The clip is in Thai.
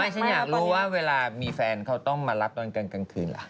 ฉันอยากรู้ว่าเวลามีแฟนเขาต้องมารับตอนกลางคืนล่ะ